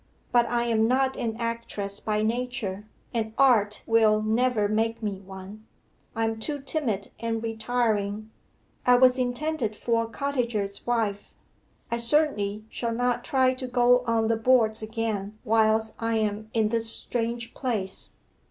But I am not an actress by nature, and art will never make me one. I am too timid and retiring; I was intended for a cottager's wife. I certainly shall not try to go on the boards again whilst I am in this strange place.